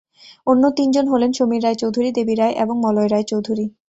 অন্য তিনজন হলেন সমীর রায়চৌধুরী, দেবী রায় এবং মলয় রায়চৌধুরী।